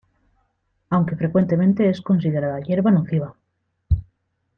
Aunque frecuentemente es considerada hierba nociva.